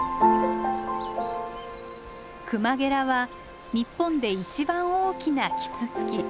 クマゲラは日本で一番大きなキツツキ。